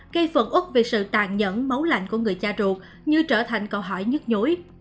gây phần úc về sự tàn nhẫn máu lạnh của người cha ruột như trở thành câu hỏi nhức nhối